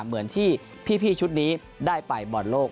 เหมือนที่พี่ชุดนี้ได้ไปบอลโลก